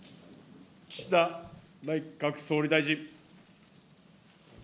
岸田内閣総理大臣。